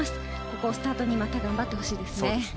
ここをスタートにまた頑張ってほしいですね。